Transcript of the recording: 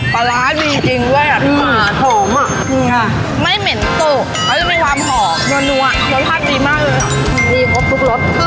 ปลาร้านมีจริงด้วยอ่ะหอมอ่ะไม่เหม็นตกและยังมีความหอมมันนวะรสชาติดีมากเลยค่ะ